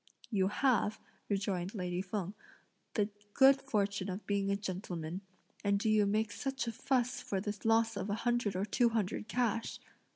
"You have," rejoined lady Feng, "the good fortune of being a gentleman, and do you make such a fuss for the loss of a hundred or two hundred cash!"